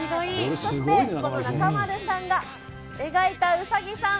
そして中丸さんが描いたうさぎさん。